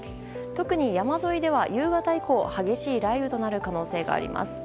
特に山沿いでは夕方以降激しい雷雨となる可能性があります。